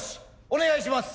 お願いします。